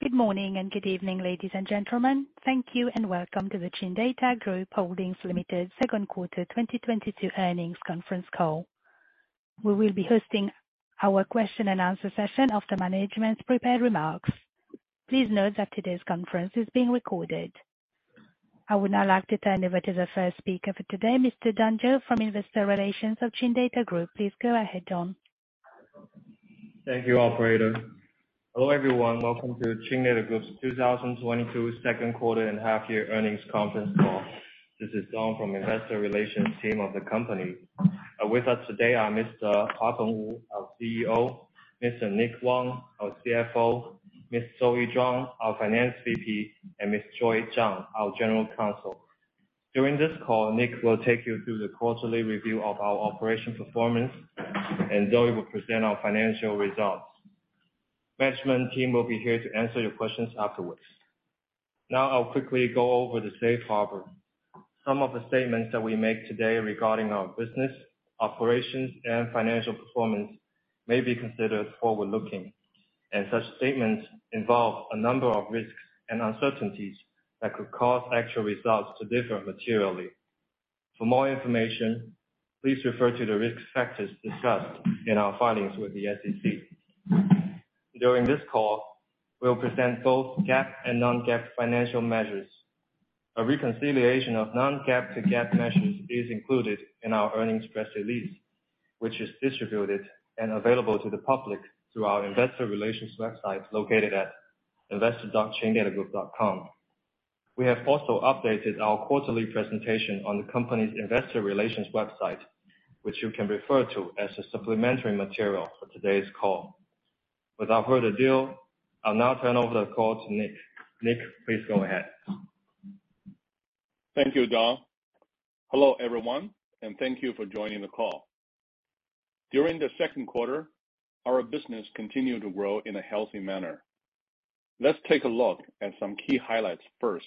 Good morning and good evening, ladies and gentlemen. Thank you and welcome to the Chindata Group Holdings Limited Q2 2022 earnings conference call. We will be hosting our question and answer session after management's prepared remarks. Please note that today's conference is being recorded. I would now like to turn over to the first speaker for today, Mr. Don Zhou from Investor Relations of Chindata Group. Please go ahead, Don. Thank you, operator. Hello, everyone. Welcome to Chindata Group's 2022 Q2 and half-year earnings conference call. This is Don Zhou from Investor Relations team of the company. With us today are Mr. Wu Huapeng, our CEO, Mr. Nick Wang, our CFO, Ms. Zoe Zhang, our Finance VP, and Ms. Joy Zhang, our General Counsel. During this call, Nick will take you through the quarterly review of our operational performance, and Zoe will present our financial results. Management team will be here to answer your questions afterwards. Now I'll quickly go over the safe harbor. Some of the statements that we make today regarding our business, operations, and financial performance may be considered forward-looking, and such statements involve a number of risks and uncertainties that could cause actual results to differ materially. For more information, please refer to the risk factors discussed in our filings with the SEC. During this call, we'll present both GAAP and non-GAAP financial measures. A reconciliation of non-GAAP to GAAP measures is included in our earnings press release, which is distributed and available to the public through our investor relations website located at investor.chinadatagroup.com. We have also updated our quarterly presentation on the company's investor relations website, which you can refer to as a supplementary material for today's call. Without further ado, I'll now turn over the call to Nick. Nick, please go ahead. Thank you, Don. Hello, everyone, and thank you for joining the call. During the Q2, our business continued to grow in a healthy manner. Let's take a look at some key highlights first,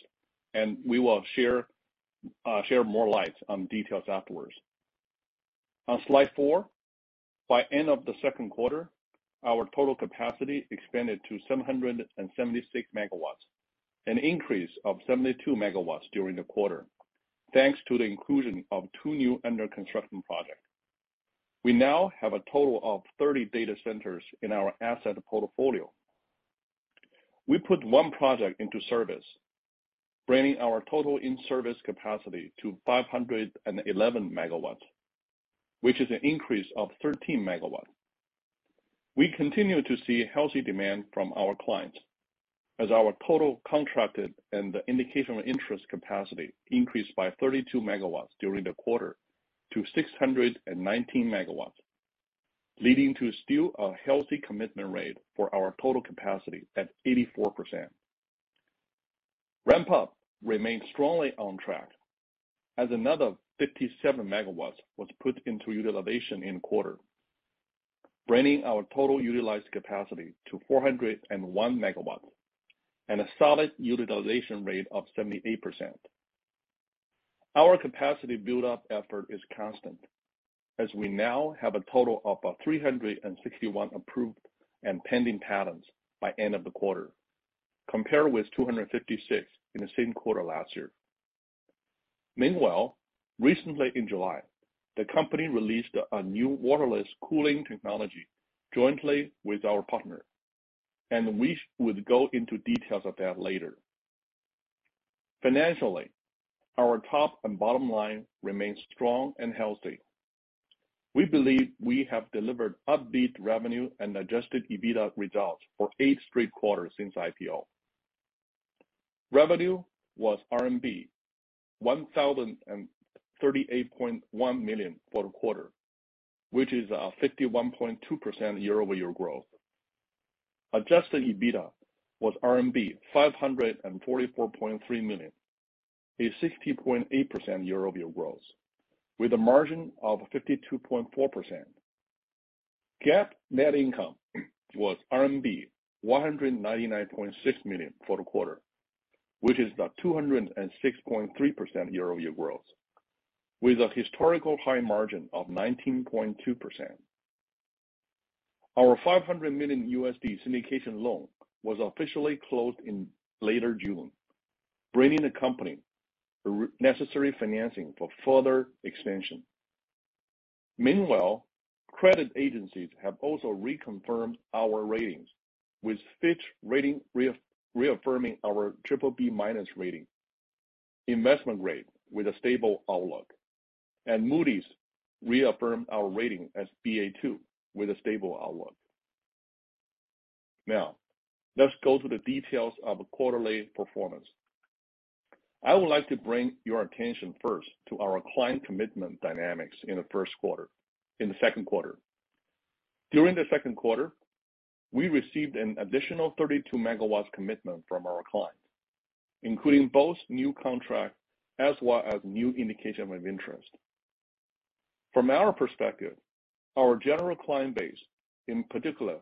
and we will share more light on details afterwards. On slide four, by end of the Q2, our total capacity expanded to 776 MW, an increase of 72 MW during the quarter, thanks to the inclusion of two new under-construction projects. We now have a total of 30 data centers in our asset portfolio. We put one project into service, bringing our total in-service capacity to 511 MW, which is an increase of 13 MW. We continue to see healthy demand from our clients as our total contracted and the indication of interest capacity increased by 32 MW during the quarter to 619 MW, leading to still a healthy commitment rate for our total capacity at 84%. Ramp-up remained strongly on track as another 57 MW was put into utilization in quarter, bringing our total utilized capacity to 401 MW and a solid utilization rate of 78%. Our capacity build-up effort is constant, as we now have a total of 361 approved and pending patents by end of the quarter, compared with 256 in the same quarter last year. Meanwhile, recently in July, the company released a new waterless cooling technology jointly with our partner, and we would go into details of that later. Financially, our top and bottom line remains strong and healthy. We believe we have delivered upbeat revenue and adjusted EBITDA results for eight straight quarters since IPO. Revenue was RMB 1,038.1 million for the quarter, which is a 51.2% year-over-year growth. Adjusted EBITDA was RMB 544.3 million, a 60.8% year-over-year growth with a margin of 52.4%. GAAP net income was RMB 199.6 million for the quarter, which is the 206.3% year-over-year growth with a historical high margin of 19.2%. Our $500 million syndicated loan was officially closed in late June, bringing the company the necessary financing for further expansion. Meanwhile, credit agencies have also reconfirmed our ratings with Fitch Ratings reaffirming our BBB- rating, investment grade with a stable outlook. Moody's reaffirmed our rating as Ba2 with a stable outlook. Now, let's go to the details of quarterly performance. I would like to bring your attention first to our client commitment dynamics in the Q2. During the Q2, we received an additional 32 MW commitment from our clients, including both new contract as well as new indication of interest. From our perspective, our general client base, in particular,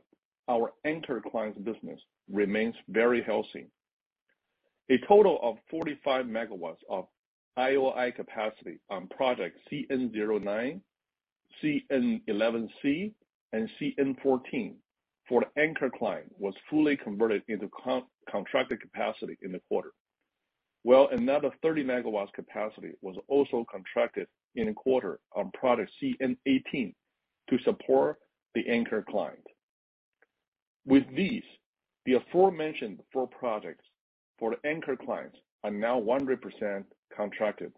our anchor clients business remains very healthy. A total of 45 MW of IOI capacity on project CN 09, CN 11 C, and CN 14 for the anchor client was fully converted into contracted capacity in the quarter. Well, another 30 MW capacity was also contracted in a quarter on Project CN 18 to support the anchor client. With these, the aforementioned four projects for the anchor clients are now 100% contracted.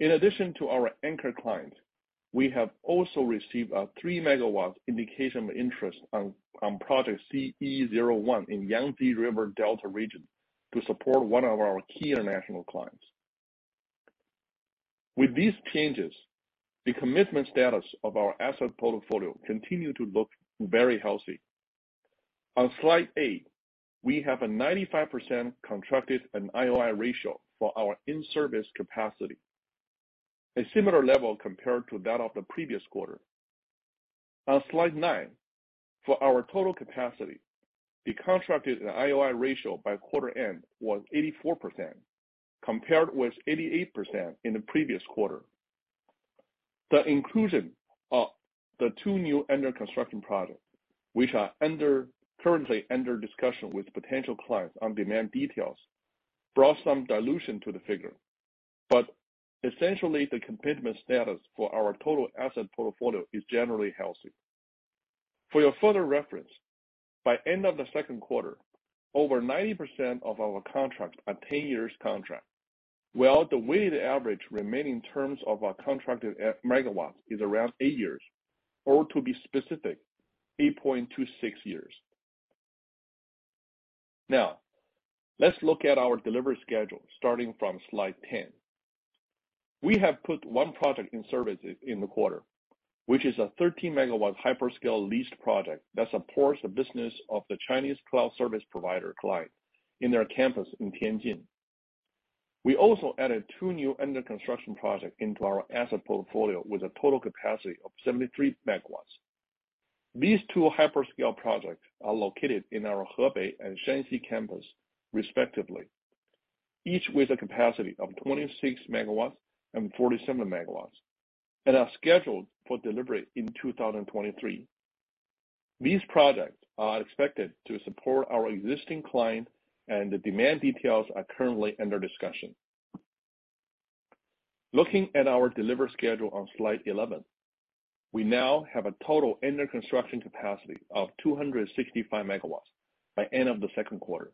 In addition to our anchor clients, we have also received a 3 MW indication of interest on Project CE01 in Yangtze River Delta region to support one of our key international clients. With these changes, the commitment status of our asset portfolio continues to look very healthy. On slide eight, we have a 95% contracted and IOI ratio for our in-service capacity. A similar level compared to that of the previous quarter. On slide nine, for our total capacity, the contracted and IOI ratio by quarter end was 84% compared with 88% in the previous quarter. The inclusion of the two new under-construction projects, which are currently under discussion with potential clients on demand details, brought some dilution to the figure. Essentially, the commitment status for our total asset portfolio is generally healthy. For your further reference, by end of the Q2, over 90% of our contracts are 10-year contracts, while the weighted average remaining terms of our contracted MW is around eight years, or to be specific, 8.26 years. Now, let's look at our delivery schedule starting from slide 10. We have put one project in service in the quarter, which is a 13-megawatt hyperscale leased project that supports the business of the Chinese cloud service provider client in their campus in Tianjin. We also added two new under-construction projects into our asset portfolio with a total capacity of 73 MW. These two hyperscale projects are located in our Hebei and Shanxi campus respectively, each with a capacity of 26 MW and 47 MW and are scheduled for delivery in 2023. These projects are expected to support our existing client, and the demand details are currently under discussion. Looking at our delivery schedule on slide 11. We now have a total under-construction capacity of 265 MW by end of the Q2.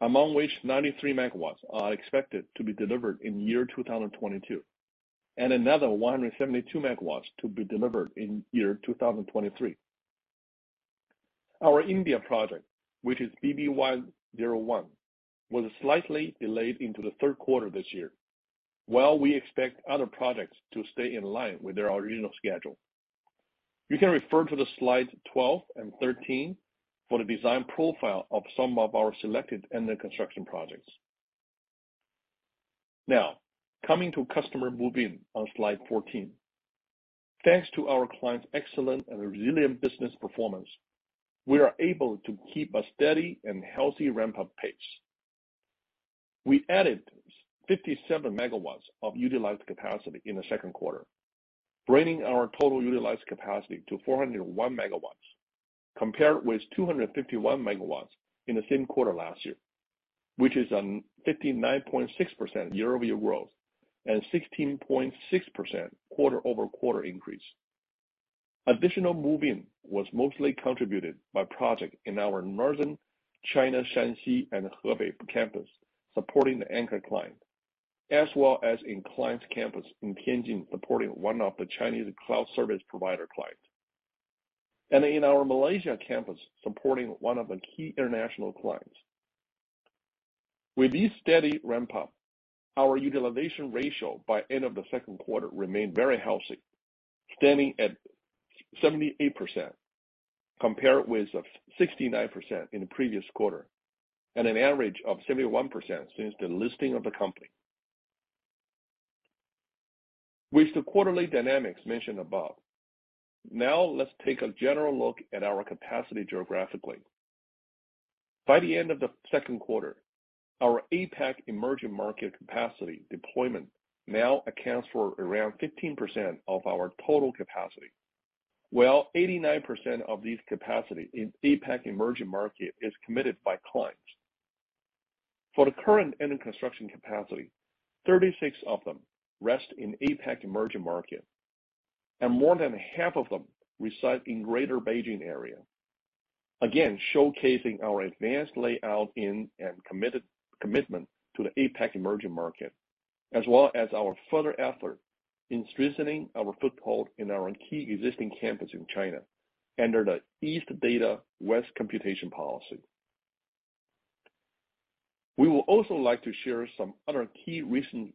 Among which 93 MW are expected to be delivered in year 2022, and another 172 MW to be delivered in year 2023. Our India project, which is BB101, was slightly delayed into the Q3 this year, while we expect other projects to stay in line with their original schedule. You can refer to slide 12 and 13 for the design profile of some of our selected under-construction projects. Now, coming to customer move-in on slide 14. Thanks to our clients' excellent and resilient business performance, we are able to keep a steady and healthy ramp-up pace. We added 57 MW of utilized capacity in the Q2, bringing our total utilized capacity to 401 MW compared with 251 MW in the same quarter last year. Which is a 59.6% year-over-year growth and 16.6% quarter-over-quarter increase. Additional move-in was mostly contributed by project in our merchant China, Shanxi, and Hebei campus supporting the anchor client, as well as in client's campus in Tianjin supporting one of the Chinese cloud service provider clients. In our Malaysia campus supporting one of the key international clients. With this steady ramp-up, our utilization ratio by end of the Q2 remained very healthy, standing at 78% compared with a 69% in the previous quarter, and an average of 71% since the listing of the company. With the quarterly dynamics mentioned above, now let's take a general look at our capacity geographically. By the end of the Q2, our APAC emerging market capacity deployment now accounts for around 15% of our total capacity, while 89% of this capacity in APAC emerging market is committed by clients. For the current under-construction capacity, 36 of them rest in APAC emerging market, and more than half of them reside in Greater Beijing area. Again, showcasing our advanced layout and commitment to the APAC emerging market, as well as our further effort in strengthening our foothold in our key existing campus in China under the Eastern Data, Western Computing policy. We would also like to share some other key recent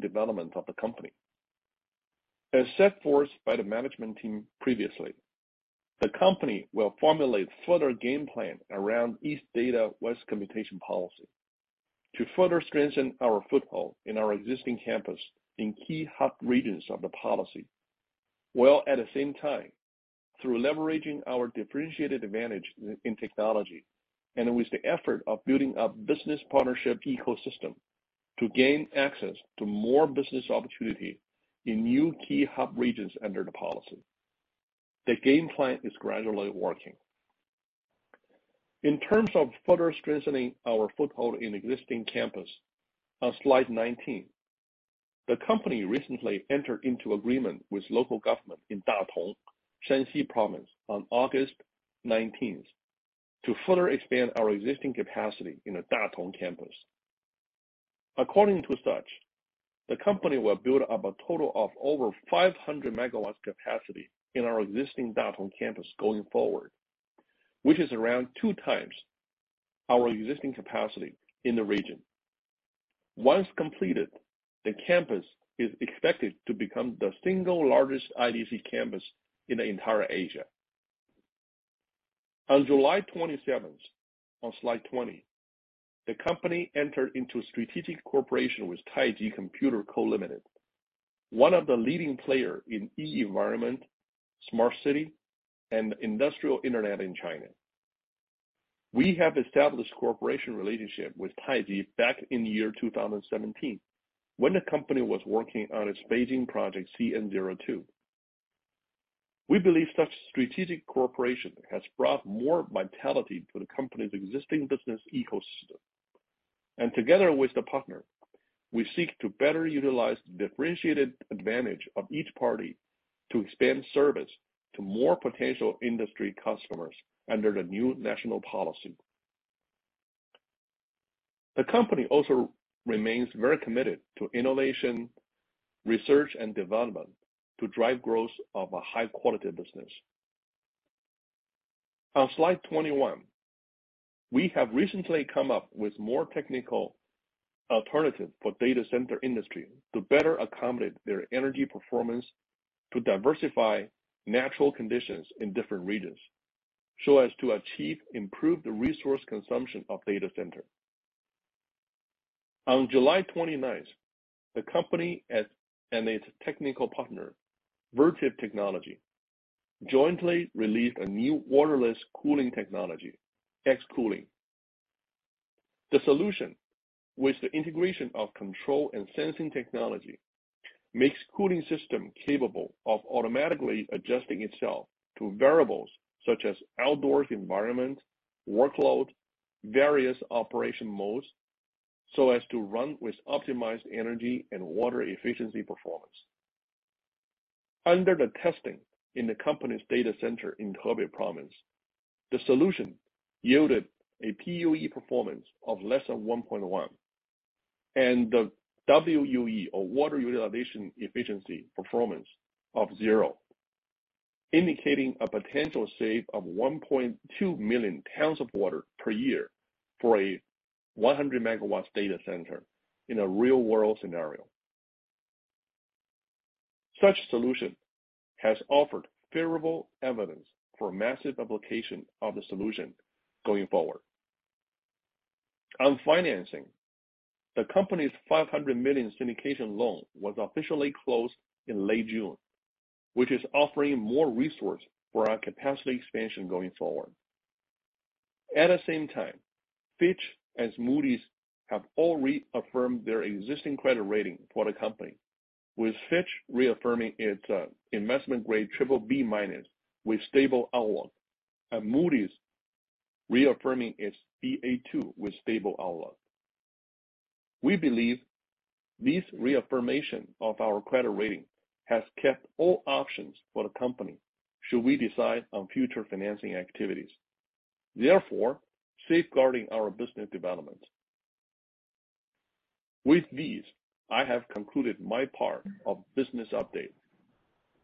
developments of the company. As set forth by the management team previously, the company will formulate further game plan around Eastern Data, Western Computing policy. To further strengthen our foothold in our existing campus in key hub regions of the policy, while at the same time, through leveraging our differentiated advantage in technology, and with the effort of building up business partnership ecosystem to gain access to more business opportunity in new key hub regions under the policy. The game plan is gradually working. In terms of further strengthening our foothold in existing campus, on slide 19, the company recently entered into agreement with local government in Datong, Shanxi Province, on August 19th, to further expand our existing capacity in the Datong campus. According to such, the company will build up a total of over 500 MW capacity in our existing Datong campus going forward, which is around 2x our existing capacity in the region. Once completed, the campus is expected to become the single largest IDC campus in the entire Asia. On July 27, on slide 20, the company entered into a strategic cooperation with Taiji Computer Corporation Limited, one of the leading player in e-government, smart city, and industrial internet in China. We have established cooperation relationship with Taiji back in the year 2017, when the company was working on its Beijing project CN02. We believe such strategic cooperation has brought more vitality to the company's existing business ecosystem. Together with the partner, we seek to better utilize the differentiated advantage of each party to expand service to more potential industry customers under the new national policy. The company also remains very committed to innovation, research, and development to drive growth of a high-quality business. On slide 21, we have recently come up with more technical alternative for data center industry to better accommodate their energy performance to diverse natural conditions in different regions, so as to achieve improved resource consumption of data center. On July 29th, the company and its technical partner, Vertiv, jointly released a new waterless cooling technology, X-Cooling. The solution with the integration of control and sensing technology makes cooling system capable of automatically adjusting itself to variables such as outdoor environment, workload, various operation modes, so as to run with optimized energy and water efficiency performance. Under the testing in the company's data center in Hebei Province, the solution yielded a PUE performance of less than 1.1, and the WUE or water utilization efficiency performance of zero. Indicating a potential save of 1.2 million tons of water per year for a 100 MW data center in a real-world scenario. Such solution has offered favorable evidence for massive application of the solution going forward. On financing, the company's 500 million syndicated loan was officially closed in late June, which is offering more resources for our capacity expansion going forward. At the same time, Fitch and Moody's have all reaffirmed their existing credit rating for the company, with Fitch reaffirming its investment-grade BBB- with stable outlook, and Moody's reaffirming its Ba2 with stable outlook. We believe these reaffirmation of our credit rating has kept all options for the company, should we decide on future financing activities, therefore safeguarding our business developments. With this, I have concluded my part of business update,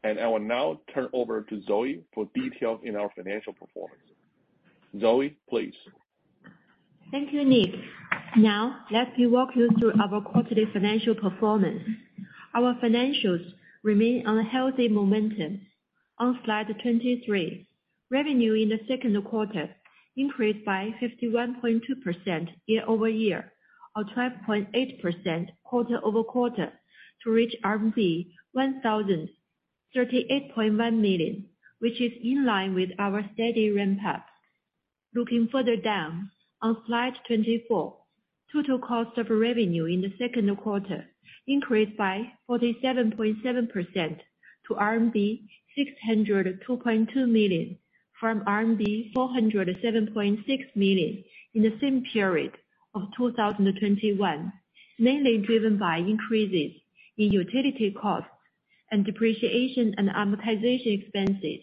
and I will now turn over to Zoe for details in our financial performance. Zoe, please. Thank you, Nick. Now, let me walk you through our quarterly financial performance. Our financials remain on a healthy momentum. On slide 23, revenue in the Q2 increased by 51.2% year-over-year, or 12.8% quarter-over-quarter to reach RMB 1,038.1 million, which is in line with our steady ramp up. Looking further down on slide 24, total cost of revenue in the Q2 increased by 47.7% to RMB 602.2 million, from RMB 407.6 million in the same period of 2021. Mainly driven by increases in utility costs and depreciation and amortization expenses.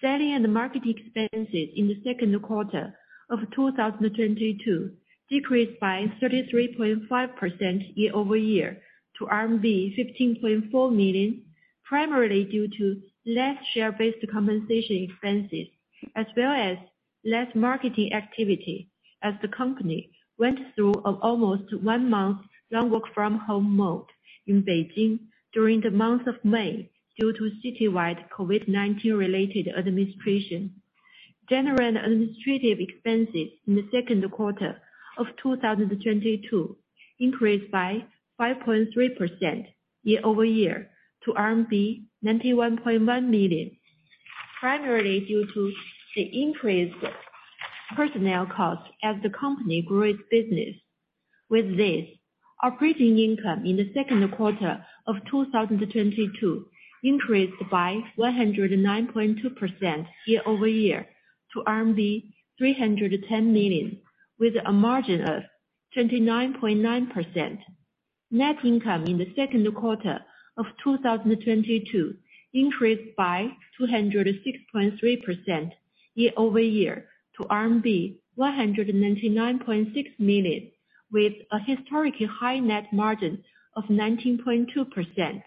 Selling and marketing expenses in the Q2 of 2022 decreased by 33.5% year-over-year to RMB 15.4 million, primarily due to less share-based compensation expenses as well as less marketing activity as the company went through an almost one-month long work from home mode in Beijing during the month of May due to citywide COVID-19 related administration. General and administrative expenses in the Q2 of 2022 increased by 5.3% year-over-year to RMB 91.1 million. Primarily due to the increased personnel costs as the company grew its business. With this, operating income in the Q2 of 2022 increased by 109.2% year-over-year to RMB 310 million, with a margin of 29.9%. Net income in the Q2 of 2022 increased by 206.3% year-over-year to RMB 199.6 million, with a historically high net margin of 19.2%.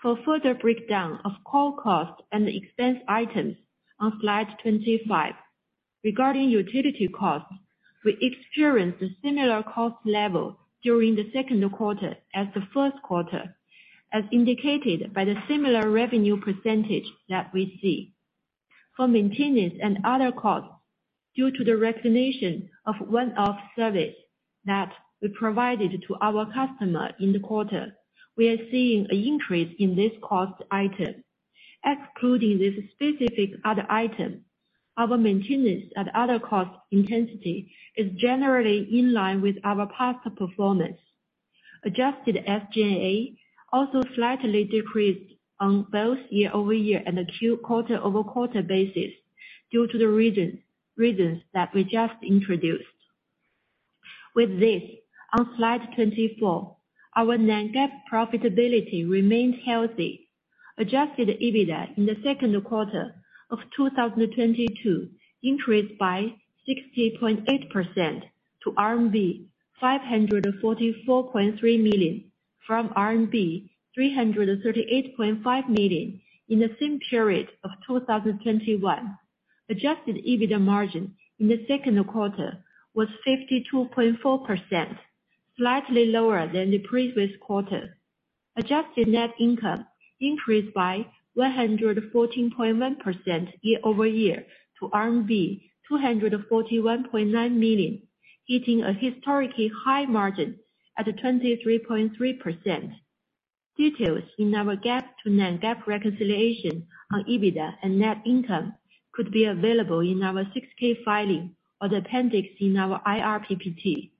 For further breakdown of CapEx costs and expense items on slide 25. Regarding utility costs, we experienced a similar cost level during the Q2 as the Q1, as indicated by the similar revenue percentage that we see. For maintenance and other costs, due to the recognition of one-off service that we provided to our customer in the quarter, we are seeing an increase in this cost item. Excluding this specific other item, our maintenance and other cost intensity is generally in line with our past performance. Adjusted SG&A also slightly decreased on both year-over-year and quarter-over-quarter basis due to the reasons that we just introduced. With this, on slide 24, our non-GAAP profitability remains healthy. Adjusted EBITDA in the Q2 of 2022 increased by 60.8% to RMB 544.3 million, from RMB 338.5 million in the same period of 2021. Adjusted EBITDA margin in the Q2 was 52.4%, slightly lower than the previous quarter. Adjusted net income increased by 114.1% year-over-year to RMB 241.9 million, hitting a historically high margin at 23.3%. Details in our GAAP to non-GAAP reconciliation on EBITDA and net income could be available in our 6-K filing or the appendix in our IR PPT.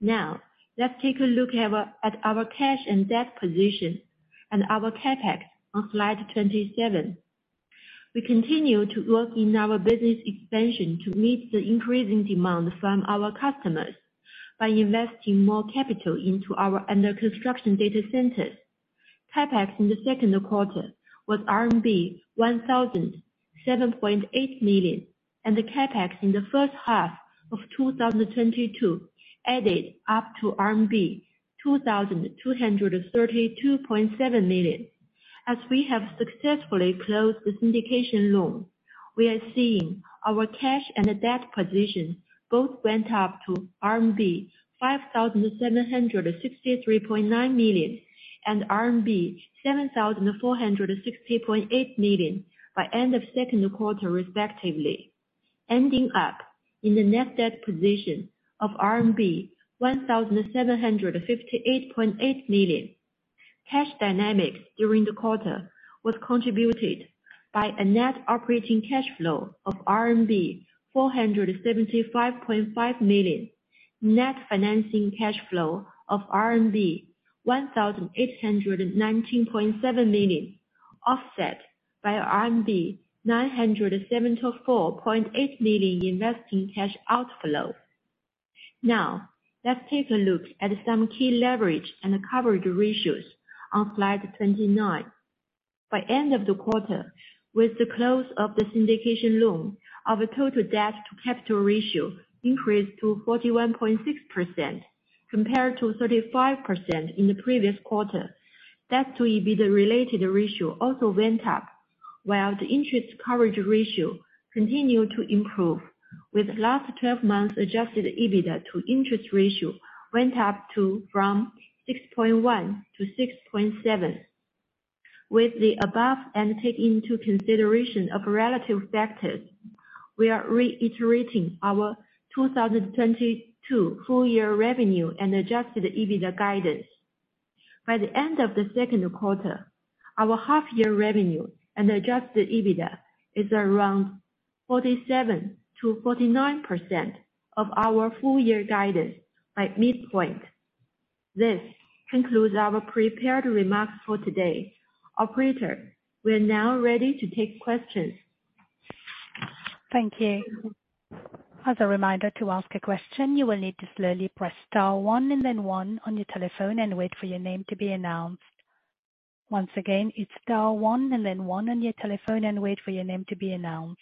Now, let's take a look at our cash and debt position and our CapEx on slide 27. We continue to work in our business expansion to meet the increasing demand from our customers by investing more capital into our under-construction data centers. CapEx in the Q2 was RMB 1,007.8 million, and the CapEx in the first half of 2022 added up to RMB 2,232.7 million. As we have successfully closed the syndicated loan, we are seeing our cash and debt position both went up to RMB 5,763.9 million and RMB 7,460.8 million by end of Q2, respectively, ending up in the net debt position of RMB 1,758.8 million. Cash dynamics during the quarter was contributed by a net operating cash flow of RMB 475.5 million, net financing cash flow of RMB 1,819.7 million, offset by RMB 974.8 million investing cash outflow. Now, let's take a look at some key leverage and coverage ratios on slide 29. By the end of the quarter, with the close of the syndicated loan, our total debt to capital ratio increased to 41.6% compared to 35% in the previous quarter. Debt to EBITDA-related ratio also went up while the interest coverage ratio continued to improve with last twelve months adjusted EBITDA to interest ratio went up from 6.1 to 6.7. With the above taken into consideration of relative factors, we are reiterating our 2022 full year revenue and adjusted EBITDA guidance. By the end of the Q2, our half year revenue and adjusted EBITDA is around 47%-49% of our full year guidance by midpoint. This concludes our prepared remarks for today. Operator, we are now ready to take questions. Thank you. As a reminder, to ask a question, you will need to slowly press star one and then one on your telephone and wait for your name to be announced. Once again, it's star one and then one on your telephone and wait for your name to be announced.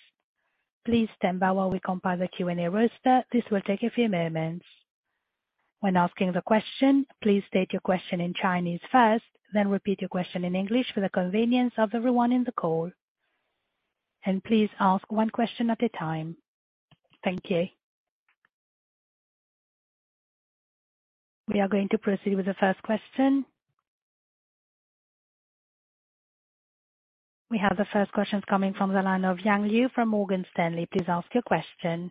Please stand by while we compile the Q&A roster. This will take a few moments. When asking the question, please state your question in Chinese first, then repeat your question in English for the convenience of everyone in the call. Please ask one question at a time. Thank you. We are going to proceed with the first question. We have the first question coming from the line of Yang Liu from Morgan Stanley. Please ask your question.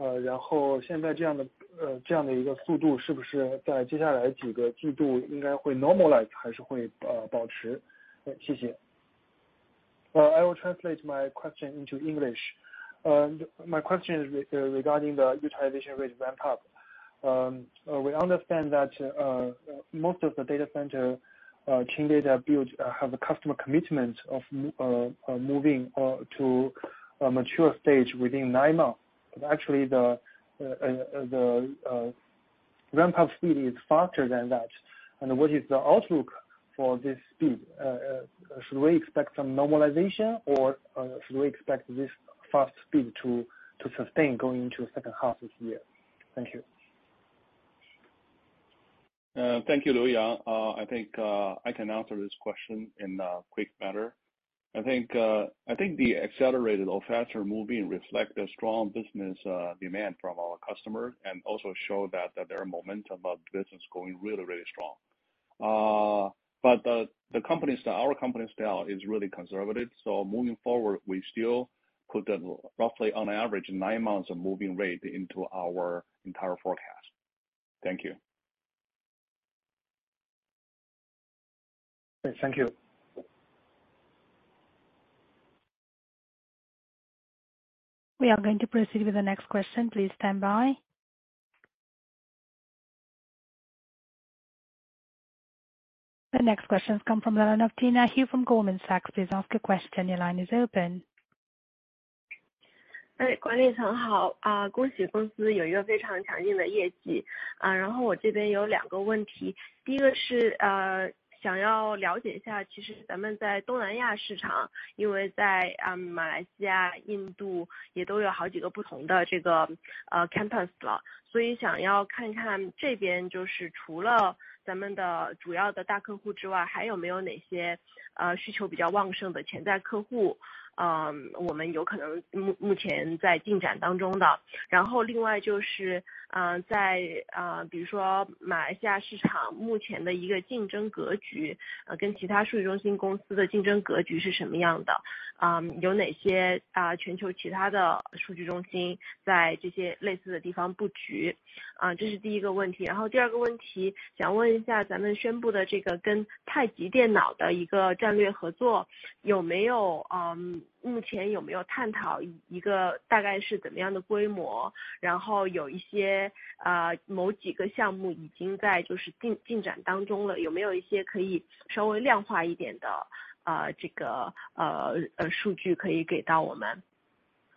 I will translate my question into English. My question is regarding the utilization rate ramp up. We understand that most of the data centers Chindata builds have a customer commitment of moving to a mature stage within nine months. Actually the ramp up speed is faster than that. What is the outlook for this speed? Should we expect some normalization or should we expect this fast speed to sustain going into second half this year? Thank you. Thank you Liu Yang. I think I can answer this question in a quick manner. I think the accelerated or faster moving reflect the strong business demand from our customers and also show that there are momentum of business going really, really strong. But the company style, our company style is really conservative. Moving forward, we still put the roughly on average nine months of moving rate into our entire forecast. Thank you. Thank you. We are going to proceed with the next question. Please stand by. The next question comes from the line of Tina Hu from Goldman Sachs. Please ask your question. Your line is open.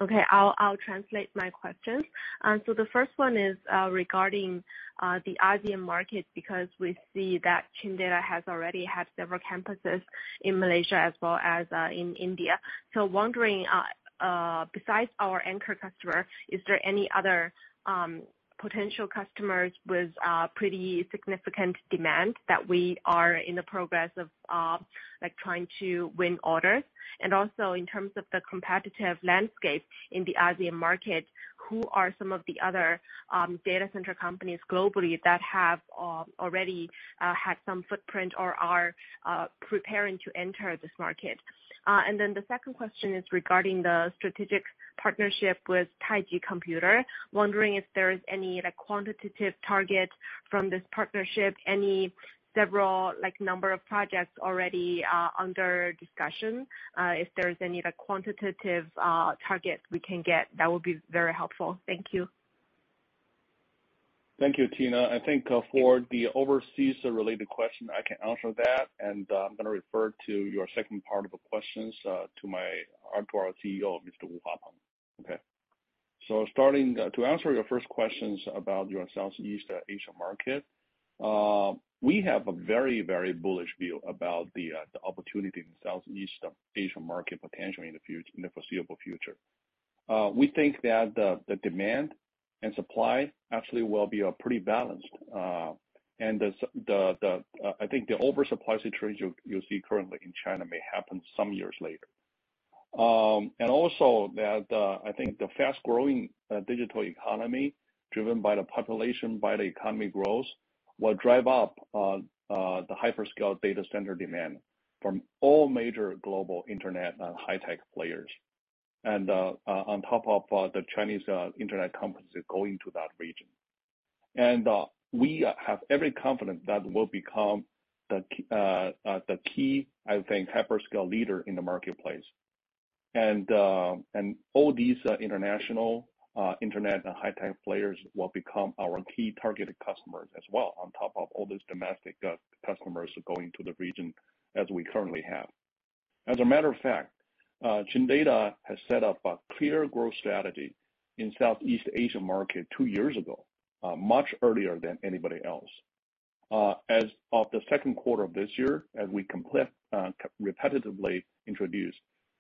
Okay. I'll translate my questions. The first one is regarding the RDM market because we see that Chindata has already had several campuses in Malaysia as well as in India. Wondering, besides our anchor customer, is there any other potential customers with pretty significant demand that we are in the progress of like trying to win orders? Also in terms of the competitive landscape in the RDM market, who are some of the other data center companies globally that have already had some footprint or are preparing to enter this market? The second question is regarding the strategic partnership with Taiji Computer. Wondering if there is any like quantitative target from this partnership, any several like number of projects already under discussion? If there's any like quantitative targets we can get that would be very helpful. Thank you. Thank you, Tina. I think for the overseas related question, I can answer that. I'm gonna refer to your second part of the questions to our CEO, Mr. Wu Huapeng. Okay. Starting to answer your first questions about the Southeast Asian market. We have a very, very bullish view about the opportunity in the Southeast Asian market potentially in the foreseeable future. We think that the demand and supply actually will be pretty balanced. I think the oversupply situation you'll see currently in China may happen some years later. I think the fast-growing digital economy driven by the population, by the economy growth, will drive up the hyperscale data center demand from all major global internet and high-tech players. On top of the Chinese internet companies going to that region. We have every confidence that we'll become the key, I think, hyperscale leader in the marketplace. All these international internet and high-tech players will become our key targeted customers as well, on top of all these domestic customers going to the region as we currently have. As a matter of fact, Chindata has set up a clear growth strategy in Southeast Asia market two years ago, much earlier than anybody else. As of the Q2 of this year, as we repetitively introduce,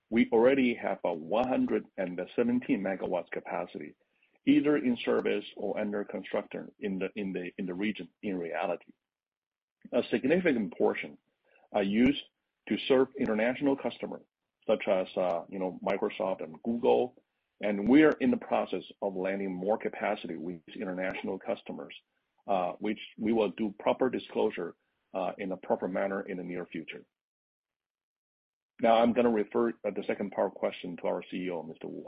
we already have 117 MW capacity, either in service or under construction in the region in reality. A significant portion are used to serve international customer, such as, you know, Microsoft and Google, and we are in the process of landing more capacity with these international customers, which we will do proper disclosure in the proper manner in the near future. Now I'm gonna refer the second part question to our CEO, Mr. Wu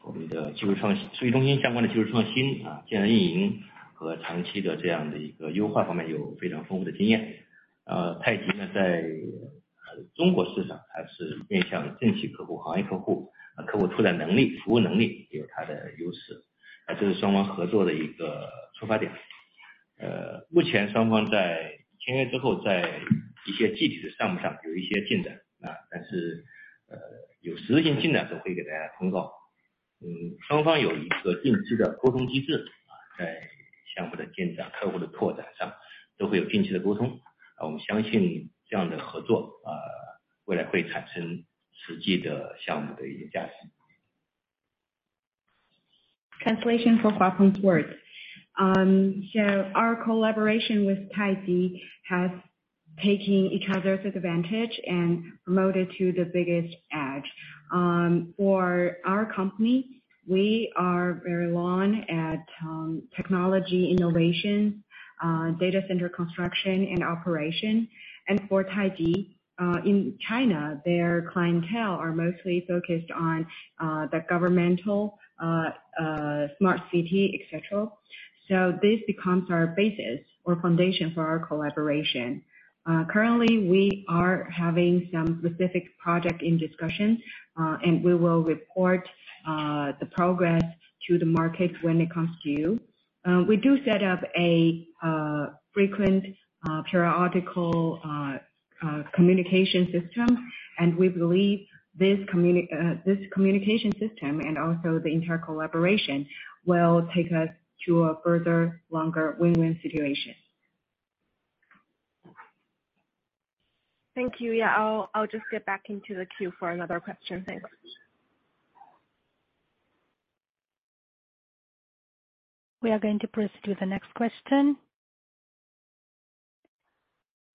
Huapeng. Translation for Wu Huapeng's words. Our collaboration with Taiji has taking each other's advantage and promote it to the biggest edge. For our company, we are very strong at technology innovation, data center construction and operation. For Taiji, in China, their clientele are mostly focused on the governmental, smart city, et cetera. This becomes our basis or foundation for our collaboration. Currently we are having some specific project in discussion, and we will report the progress to the market when it comes to you. We do set up a frequent, periodical communication system. We believe this communication system and also the entire collaboration will take us to a further longer win-win situation. Thank you. Yeah, I'll just get back into the queue for another question. Thanks. We are going to proceed to the next question.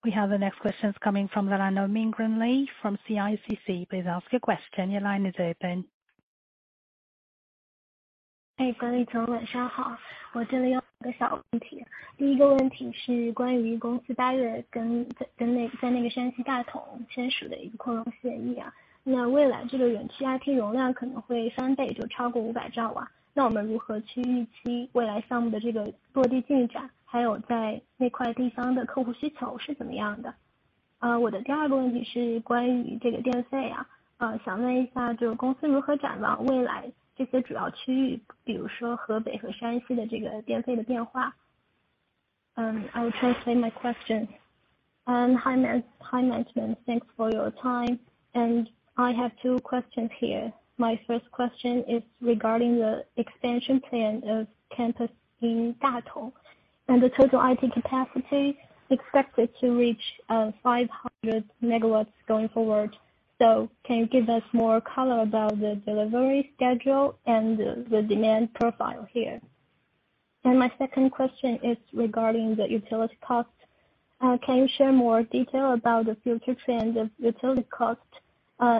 We have the next questions coming from the line of Mingran Li from CICC. Please ask your question. Your line is open. I will translate my question. Hi, management. Thanks for your time. I have two questions here. My first question is regarding the expansion plan of campus in Datong and the total IT capacity expected to reach 500 MW going forward. Can you give us more color about the delivery schedule and the demand profile here? My second question is regarding the utility cost. Can you share more detail about the future trends of utility cost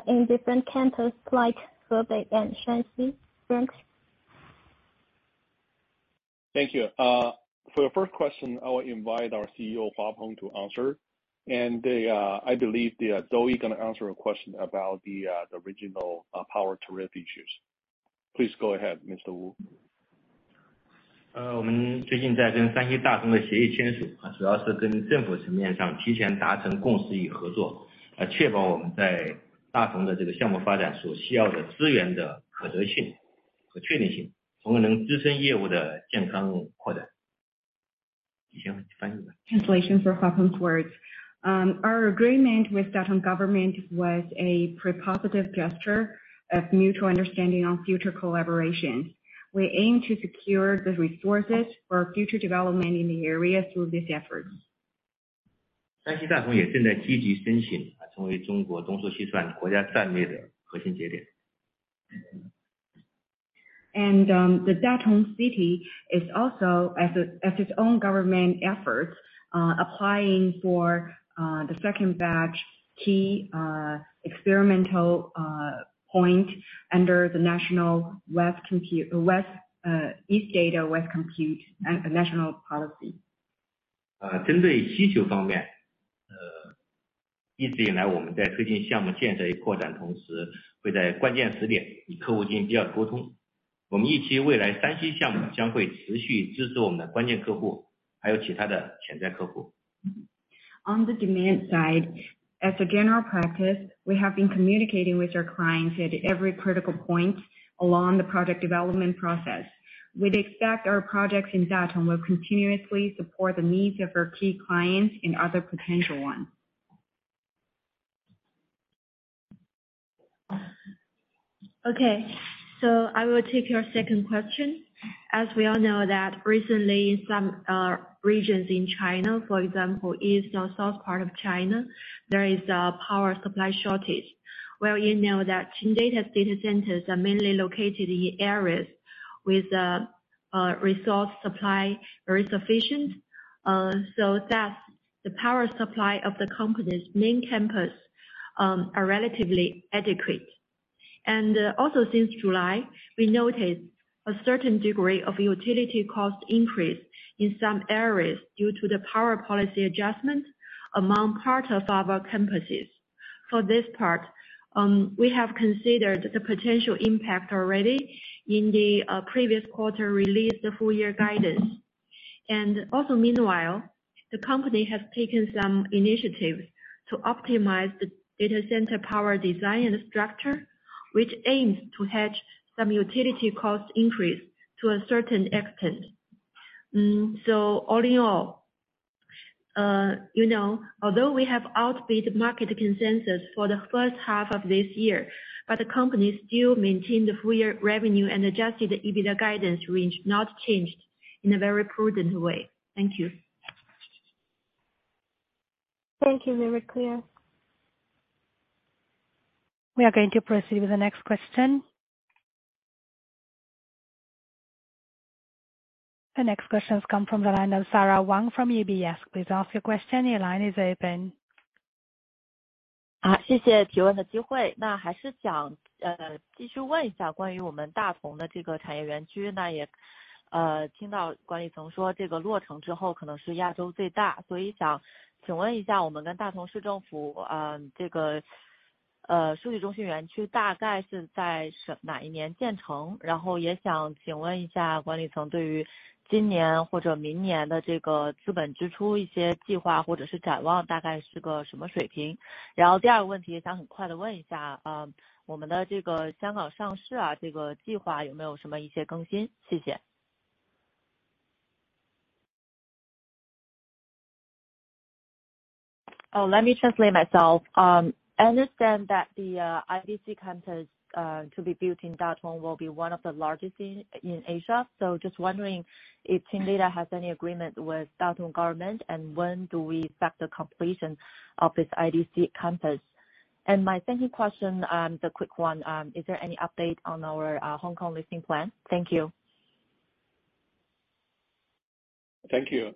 in different campus like Hebei and Shanxi? Thanks. Thank you. For the first question, I will invite our CEO, Wu Huapeng, to answer. I believe Zoe Zhang gonna answer a question about the regional power tariff issues. Please go ahead, Mr. Wu. Translation for Huapeng's words. Our agreement with Datong government was a positive gesture of mutual understanding on future collaboration. We aim to secure the resources for future development in the area through this effort. The Datong City is also, as its own government efforts, applying for the second batch key experimental point under the Eastern Data, Western Computing national policy. On the demand side, as a general practice, we have been communicating with our clients at every critical point along the product development process. We'd expect our projects in Datong will continuously support the needs of our key clients and other potential ones. Okay. I will take your second question. As we all know that recently in some regions in China, for example, east or south part of China, there is a power supply shortage. Well, you know that Chindata data centers are mainly located in areas with a resource supply very sufficient. So that's the power supply of the company's main campus are relatively adequate. Also since July, we noted a certain degree of utility cost increase in some areas due to the power policy adjustment among part of our campuses. For this part, we have considered the potential impact already in the previous quarter released the full year guidance. Also meanwhile, the company has taken some initiatives to optimize the data center power design and structure, which aims to hedge some utility cost increase to a certain extent. All in all, you know, although we have outbid market consensus for the first half of this year, but the company still maintained the full year revenue and adjusted the EBITDA guidance range not changed in a very prudent way. Thank you. Thank you. Very clear. We are going to proceed with the next question. The next question has come from the line of Sarah Wang from UBS. Please ask your question. Your line is open. Let me translate myself. I understand that the IDC campus to be built in Datong will be one of the largest in Asia. Just wondering if Chindata has any agreement with Datong government, and when do we expect the completion of this IDC campus? My second question, the quick one, is there any update on our Hong Kong listing plan? Thank you. Thank you.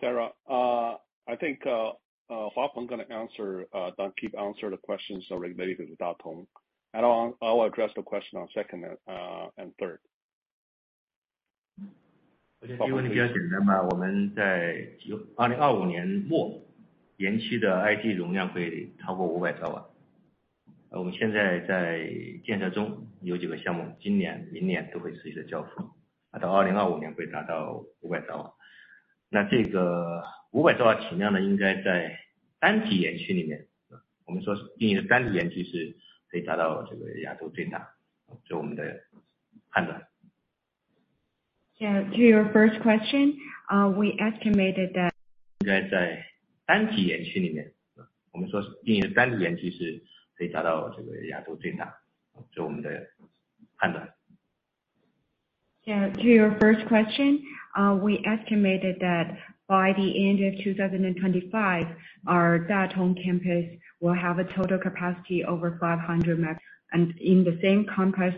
Sarah. I think Huapeng gonna answer and keep answering the questions that related to Datong. I'll address the question on second and third. To your first question, we estimated that by the end of 2025, our Datong campus will have a total capacity over 500 MW in the same campus,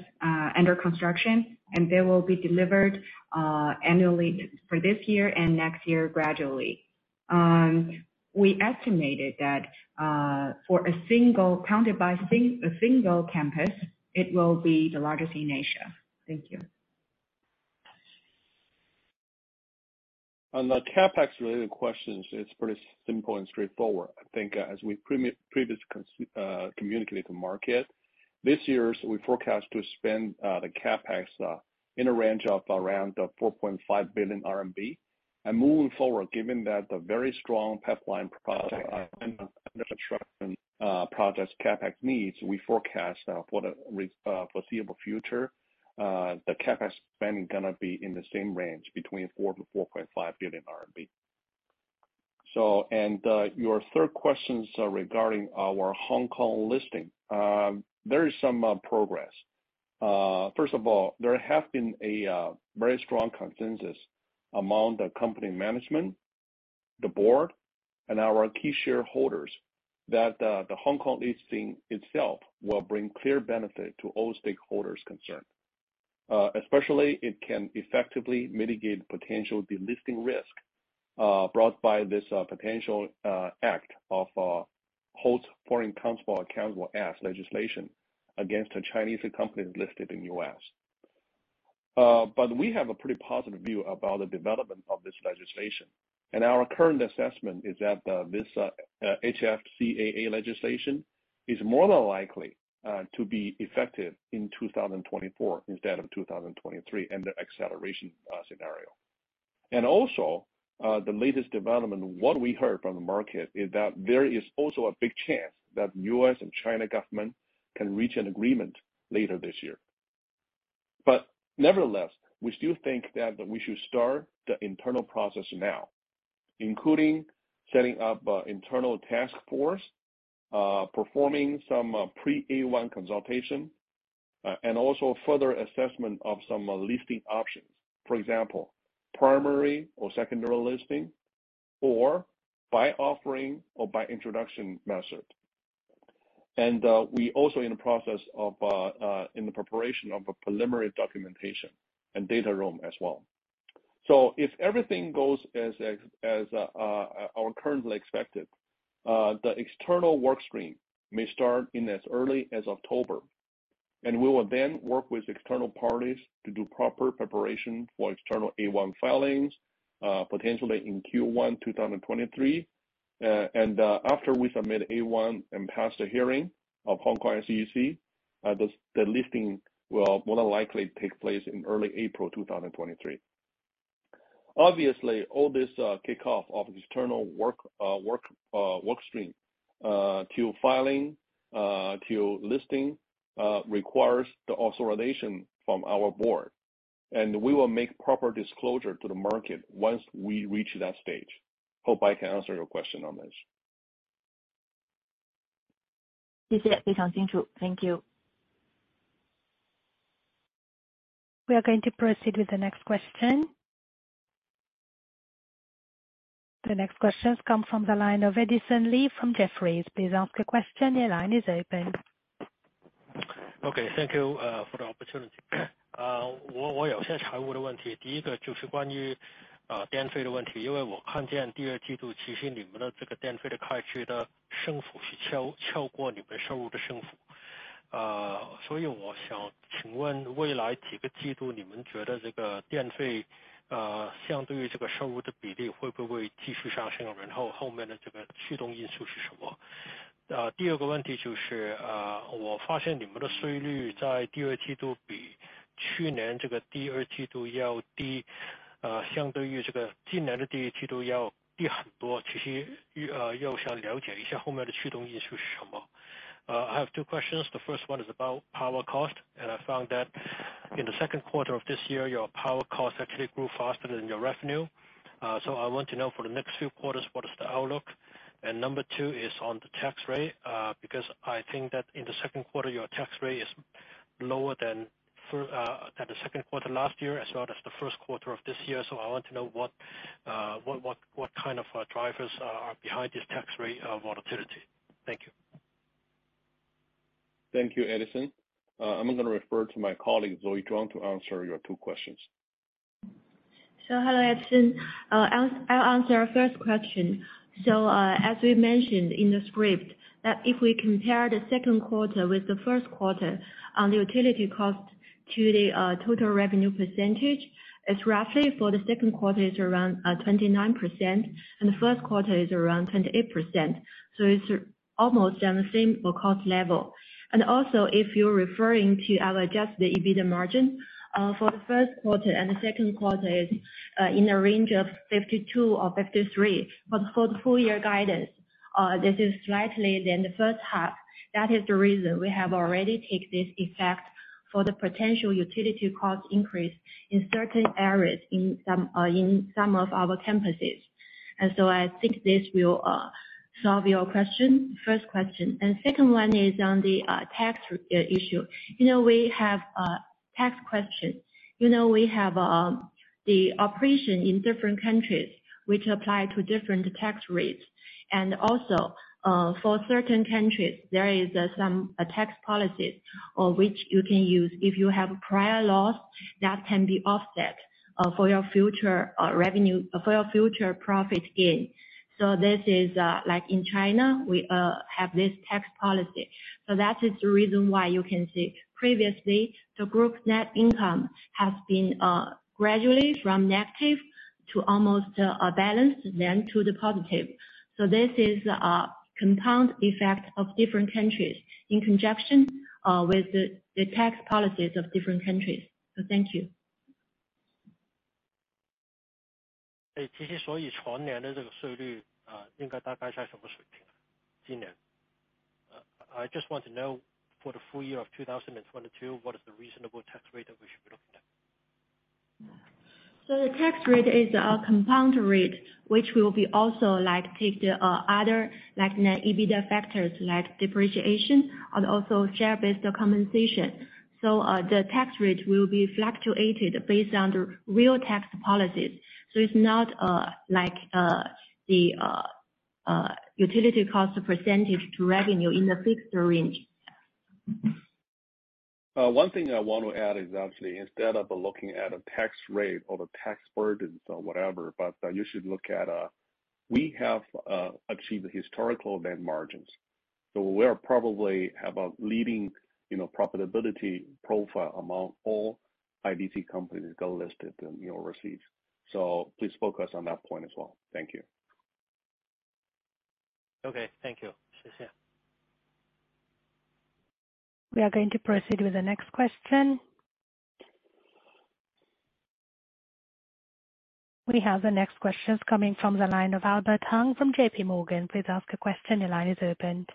under construction, and they will be delivered annually for this year and next year gradually. We estimated that for a single campus, it will be the largest in Asia. Thank you. On the CapEx related questions, it's pretty simple and straightforward. I think as we previously communicated to the market, this year we forecast to spend the CapEx in a range of around 4.5 billion RMB. Moving forward, given that the very strong pipeline project construction projects CapEx needs, we forecast for the foreseeable future the CapEx spend gonna be in the same range of 4 billion-4.5 billion RMB. Your third question is regarding our Hong Kong listing. There is some progress. First of all, there have been a very strong consensus among the company management, the board, and our key shareholders that the Hong Kong listing itself will bring clear benefit to all stakeholders concerned. Especially it can effectively mitigate potential delisting risk, brought by this potential act of Holding Foreign Companies Accountable Act legislation against the Chinese companies listed in the U.S. We have a pretty positive view about the development of this legislation. Our current assessment is that this HFCAA legislation is more than likely to be effective in 2024 instead of 2023 in the acceleration scenario. The latest development, what we heard from the market, is that there is also a big chance that U.S. and China government can reach an agreement later this year. Nevertheless, we still think that we should start the internal process now, including setting up internal task force, performing some pre-A1 consultation, and also further assessment of some listing options. For example, primary or secondary listing or by offering or by introduction method. We are also in the process of preparing preliminary documentation and data room as well. If everything goes as is currently expected, the external work stream may start as early as October, and we will then work with external parties to do proper preparation for external A1 filings, potentially in Q1 2023. After we submit A1 and pass the hearing of Hong Kong SFC, the listing will more than likely take place in early April 2023. Obviously, all this kickoff of the external work stream to filing to listing requires the authorization from our board, and we will make proper disclosure to the market once we reach that stage. Hope I can answer your question on this. Thank you. We are going to proceed with the next question. The next question comes from the line of Edison Lee from Jefferies. Please ask your question. Your line is open. Okay. Thank you for the opportunity. I have two questions. The first one is about power cost, and I found that in the Q2 of this year, your power cost actually grew faster than your revenue. I want to know for the next few quarters, what is the outlook? Number two is on the tax rate, because I think that in the Q2, your tax rate is lower than the Q2 last year as well as the Q1 of this year. I want to know what kind of drivers are behind this tax rate volatility. Thank you. Thank you, Edison. I'm gonna refer to my colleague, Zoe Zhuang, to answer your two questions. Hello, Edison. I'll answer our first question. As we mentioned in the script, that if we compare the Q2 with the Q1 on the utility cost to the total revenue percentage, it's roughly for the Q2 is around 29%, and the Q1 is around 28%. It's almost on the same cost level. If you're referring to our adjusted EBITDA margin, for the Q1 and the Q2 is in a range of 52 or 53. For the full year guidance, this is slightly than the first half. That is the reason we have already take this effect for the potential utility cost increase in certain areas in some of our campuses. I think this will solve your question, first question. Second one is on the tax issue. You know, we have tax question. You know, we have the operation in different countries which apply to different tax rates. Also, for certain countries, there is some tax policies which you can use if you have prior loss, that can be offset for your future revenue, for your future profit gain. This is like in China, we have this tax policy. That is the reason why you can see previously the group net income has been gradually from negative to almost balanced then to the positive. This is compound effect of different countries in conjunction with the tax policies of different countries. Thank you. I just want to know for the full year of 2022, what is the reasonable tax rate that we should be looking at? The tax rate is a compound rate, which will be also like take the other like net EBITDA factors like depreciation and also share-based compensation. The tax rate will be fluctuated based on the real tax policies. It's not like the utility cost percentage to revenue in a fixed range. One thing I want to add is actually instead of looking at a tax rate or the tax burdens or whatever, but you should look at we have achieved historical net margins. We are probably about leading, you know, profitability profile among all IDC companies that are listed in overseas. Please focus on that point as well. Thank you. Okay, thank you. We are going to proceed with the next question. We have the next questions coming from the line of Albert Hong from JPMorgan. Please ask a question. Your line is open.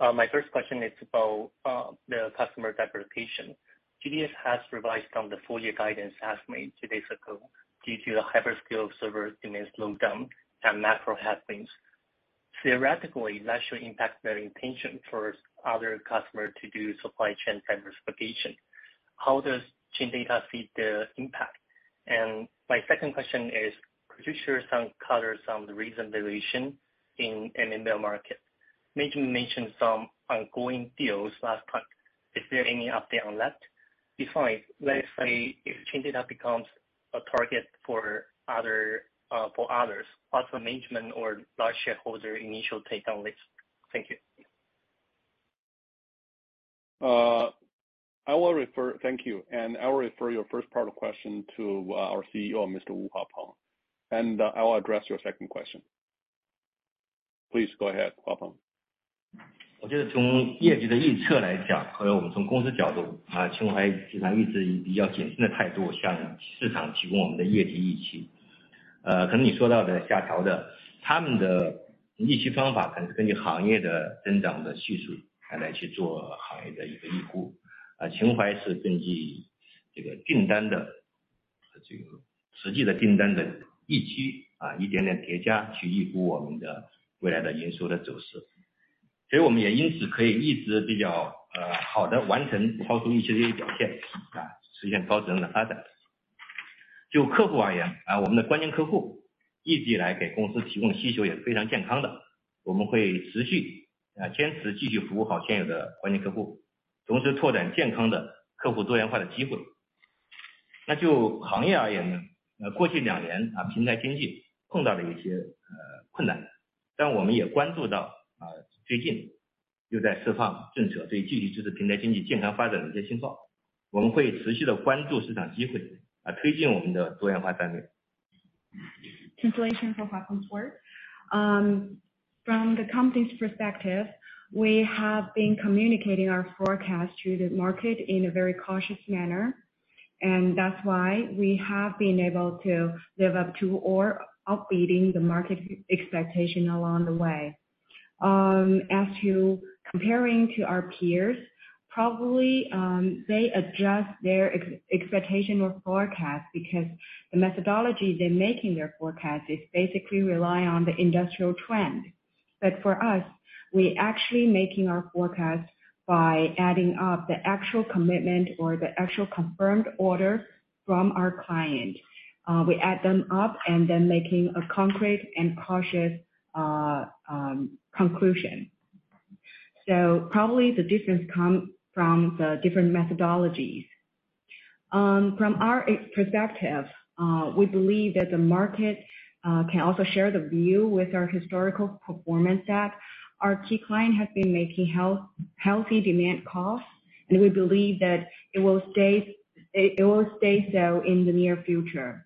My first question is about the customer diversification. GDS has revised down the full-year guidance it made two days ago due to the hyperscale server demand slowdown and macro headwinds. Theoretically, that should impact their intention for other customer to do supply chain diversification. How does Chindata see the impact? My second question is, could you share some color on some of the recent valuation in M&A market? Management mentioned some ongoing deals last time. Is there any update on that? If I, let's say if Chindata becomes a target for others, what's the management or large shareholder initial take on this? Thank you. Thank you. I'll refer your first part of question to our CEO, Mr. Wu Huapeng, and I'll address your second question. Please go ahead, Huapeng. Translation for Wu Huapeng's words. From the company's perspective, we have been communicating our forecast to the market in a very cautious manner, and that's why we have been able to live up to our updating the market expectation along the way. As to comparing to our peers, probably, they adjust their expectation or forecast because the methodology they're making their forecast is basically rely on the industrial trend. But for us, we actually making our forecast by adding up the actual commitment or the actual confirmed order from our client. We add them up and then making a concrete and cautious conclusion. Probably the difference come from the different methodologies. From our perspective, we believe that the market can also share the view with our historical performance that our key client has been making healthy demand calls, and we believe that it will stay so in the near future.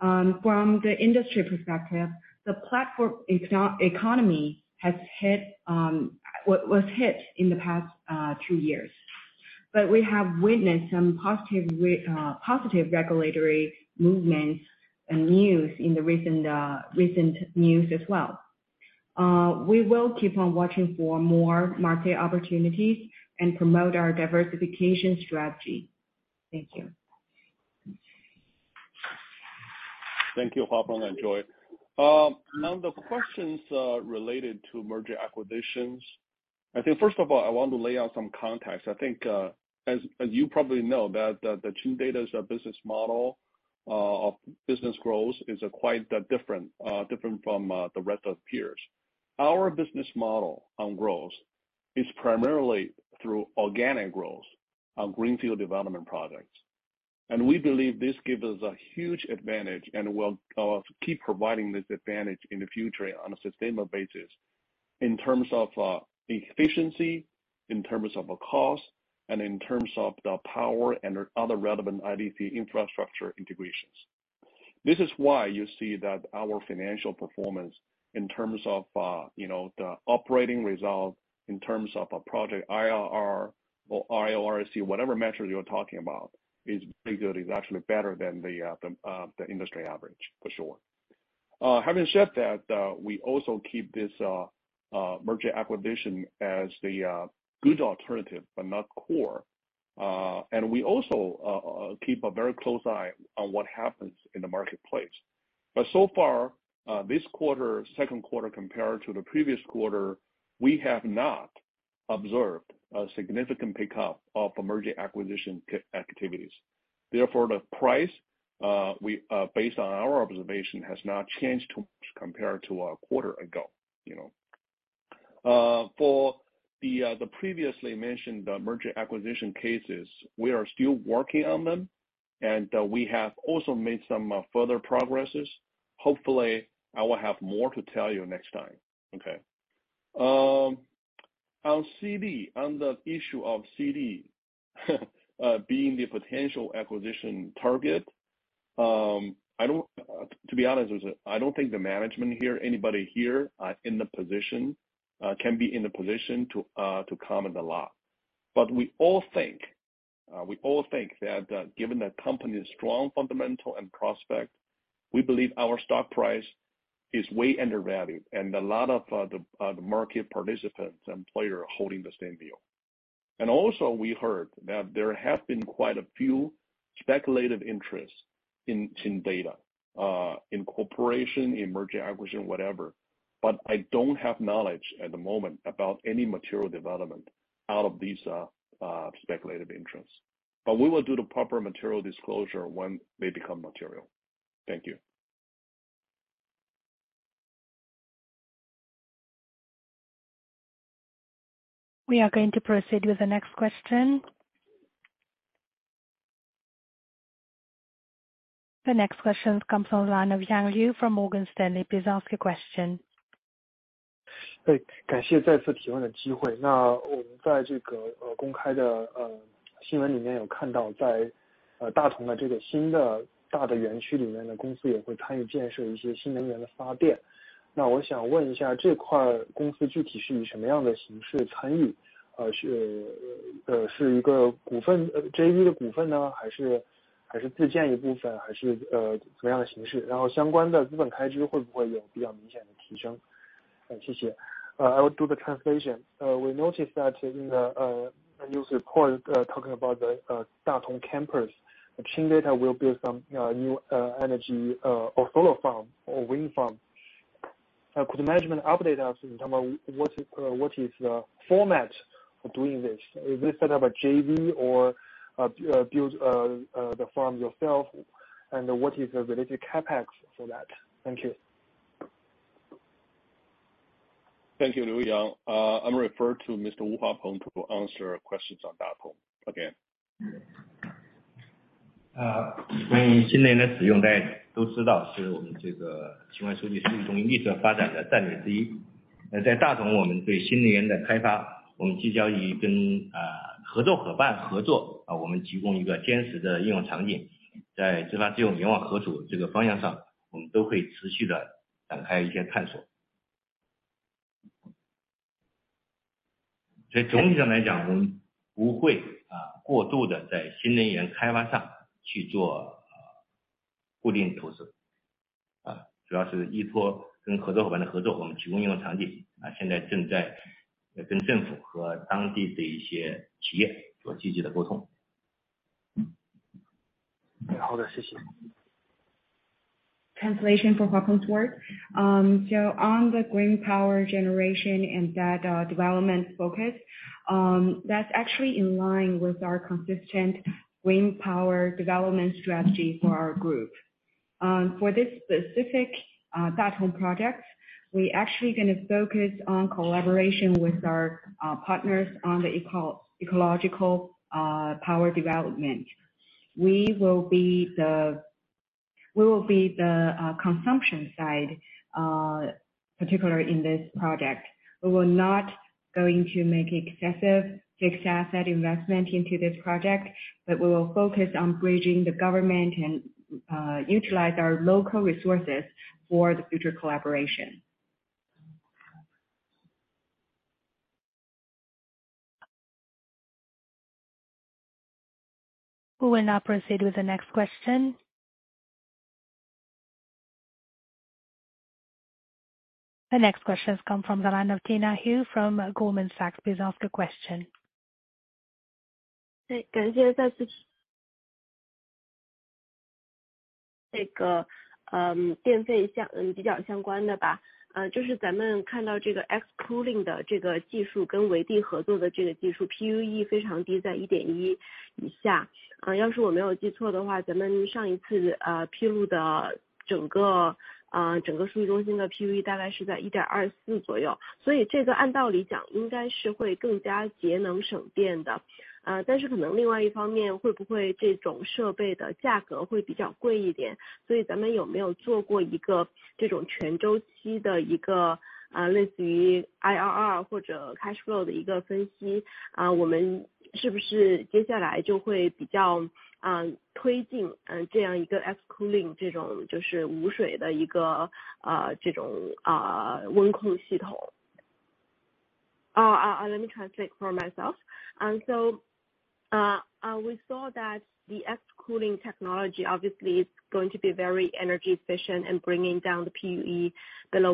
From the industry perspective, the platform economy was hit in the past two years. We have witnessed some positive regulatory movements and news in the recent news as well. We will keep on watching for more market opportunities and promote our diversification strategy. Thank you. Thank you, Huapeng and Joy. On the questions related to merger acquisitions, I think first of all, I want to lay out some context. I think, as you probably know that the Chindata's business model of business growth is quite different from the rest of peers. Our business model on growth is primarily through organic growth on greenfield development projects. We believe this gives us a huge advantage and will keep providing this advantage in the future on a sustainable basis. In terms of efficiency, in terms of the cost, and in terms of the power and other relevant IDC infrastructure integrations. This is why you see that our financial performance in terms of, you know, the operating result, in terms of a project IRR or ROIC, whatever measure you're talking about, is pretty good, it's actually better than the industry average, for sure. Having said that, we also keep this M&A as the good alternative, but not core. We also keep a very close eye on what happens in the marketplace. So far, this quarter, Q2 compared to the previous quarter, we have not observed a significant pickup of M&A activities. Therefore, the price, based on our observation, has not changed too much compared to a quarter ago, you know. For the previously mentioned merger acquisition cases, we are still working on them, and we have also made some further progresses. Hopefully, I will have more to tell you next time. Okay. On CD, on the issue of CD being the potential acquisition target, to be honest with you, I don't think the management here, anybody here, can be in the position to comment a lot. We all think that, given the company's strong fundamental and prospect, we believe our stock price is way undervalued. A lot of the market participants and player are holding the same view. Also we heard that there have been quite a few speculative interests in the corporation, merger, acquisition, whatever. I don't have knowledge at the moment about any material development out of these speculative interests. We will do the proper material disclosure when they become material. Thank you. We are going to proceed with the next question. The next question comes from the line of Yang Liu from Morgan Stanley. Please ask your question. I will do the translation. We noticed that in the news report talking about the Datong Campus, Chindata will build some new energy or solar farm or wind farm. Could the management update us in terms of what is the format for doing this? Is this sort of a JV or build the farm yourself? And what is the related CapEx for that? Thank you. Thank you, Liu Yang. I refer to Mr. Wu Huapeng to answer questions on Datong. Again. Translation for Wu Huapeng's words. On the green power generation and development focus, that's actually in line with our consistent wind power development strategy for our group. For this specific Datong project, we actually gonna focus on collaboration with our partners on the ecological power development. We will be the consumption side, particularly in this project. We will not going to make excessive fixed asset investment into this project, but we will focus on bridging the government and utilize our local resources for the future collaboration. We will now proceed with the next question. The next question comes from the line of Tina Hu from Goldman Sachs. Please ask your question. Let me translate for myself. We saw that the air cooling technology obviously is going to be very energy efficient in bringing down the PUE below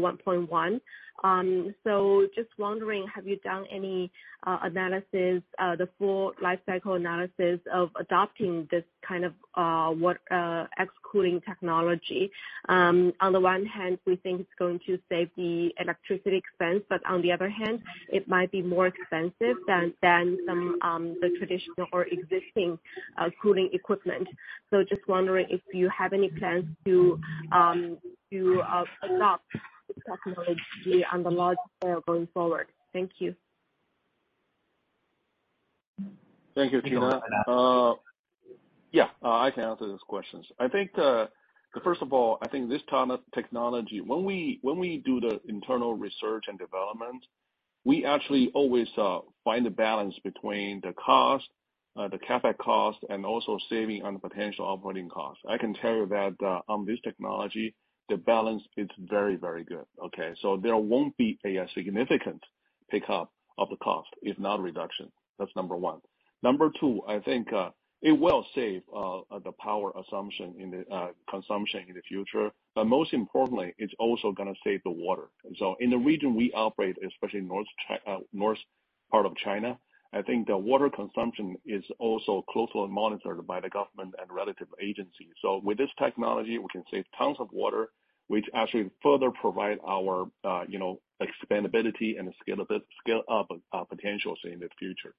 1.1. Just wondering, have you done any analysis, the full life cycle analysis of adopting this kind of air cooling technology? On the one hand, we think it's going to save the electricity expense, but on the other hand, it might be more expensive than some of the traditional or existing cooling equipment. Just wondering if you have any plans to adopt this technology on the large scale going forward. Thank you. Thank you, Tina. I can answer those questions. I think, first of all, I think this type of technology, when we do the internal research and development, we actually always find the balance between the cost, the CapEx cost, and also saving on the potential operating cost. I can tell you that, on this technology, the balance is very, very good. Okay. So there won't be a significant pickup of the cost, if not reduction. That's number one. Number two, I think, it will save the power consumption in the future. But most importantly, it's also gonna save the water. So in the region we operate, especially north part of China, I think the water consumption is also closely monitored by the government and relevant agencies. With this technology, we can save tons of water, which actually further provide our, you know, expandability and scale up potentials in the future.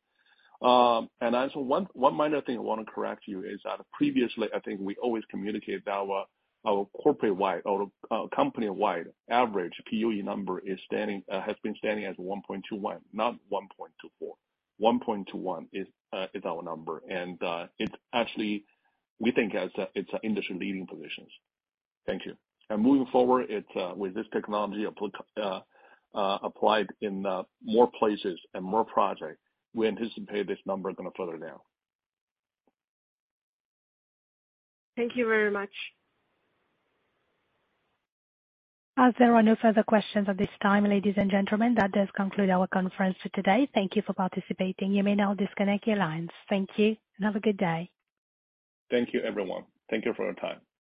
As one minor thing I wanna correct you is that previously I think we always communicate that our corporate-wide or company-wide average PUE number has been standing as 1.21, not 1.24. 1.21 is our number. And it's actually we think as a it's an industry-leading positions. Thank you. Moving forward it with this technology applied in more places and more project, we anticipate this number gonna further down. Thank you very much. As there are no further questions at this time, ladies and gentlemen, that does conclude our conference for today. Thank you for participating. You may now disconnect your lines. Thank you, and have a good day. Thank you, everyone. Thank you for your time.